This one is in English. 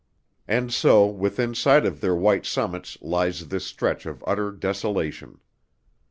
And so within sight of their white summits lies this stretch of utter desolation.